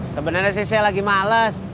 sebenarnya saya lagi males